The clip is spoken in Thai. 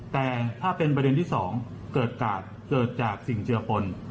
แต่ถ้าเป็นประเด็นที่๒เกิดจากสิ่งเจือปน